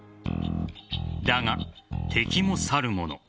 だが、敵もさるもの